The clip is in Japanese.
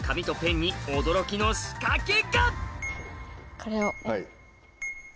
これを。